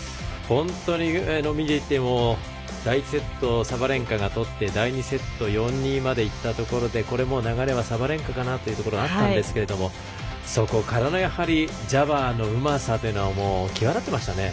本当に第１セット、サバレンカが取って第２セット４−２までいったところでこれも流れはサバレンカかなというところあったんですけどもそこからのジャバーのうまさというのは際立っていましたね。